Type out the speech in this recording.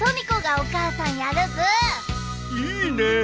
いいね。